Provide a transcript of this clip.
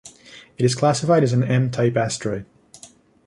It is classified as an M-type asteroid.